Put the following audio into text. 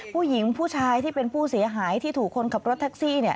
ผู้หญิงผู้ชายที่เป็นผู้เสียหายที่ถูกคนขับรถทักซี